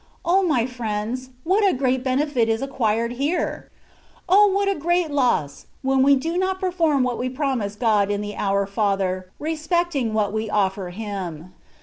O ! my friends, what a great benefit is acquired here ! O ! what a great loss, when we do not perform what we promise God in the " Our Father,^' respecting what we ofi'er Him.